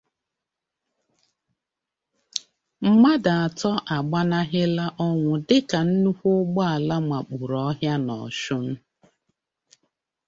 Mmadụ Atọ Agbanahịla Ọnwụ, Dịka Nnukwu Ụgbọala Makpuru Ọhịa n'Osun